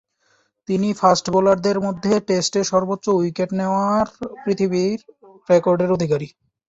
তিনি ফাস্ট বোলারদের মধ্যে টেস্টে সর্বোচ্চ উইকেটের নেওয়ার পৃথিবী রেকর্ডের অধিকারী।